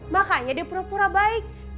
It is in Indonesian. makanya di pura pura baik